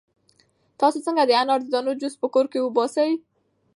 تاسو څنګه د انار د دانو جوس په کور کې وباسئ؟